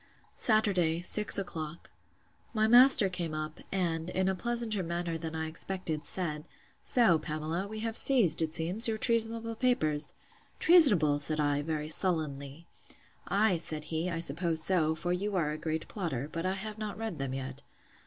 Saturday, six o'clock. My master came up, and, in a pleasanter manner than I expected, said, So, Pamela, we have seized, it seems, your treasonable papers? Treasonable! said I, very sullenly. Ay, said he, I suppose so; for you are a great plotter: but I have not read them yet.